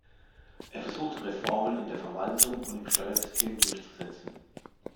Er versuchte Reformen in der Verwaltung und im Steuersystem durchzusetzen.